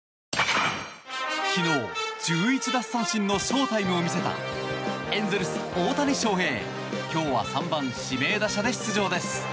昨日、１１奪三振のショータイムを見せたエンゼルス、大谷翔平。今日は３番指名打者で出場です。